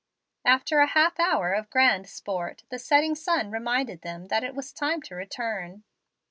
After a half hour of grand sport, the setting sun reminded them that it was time to return.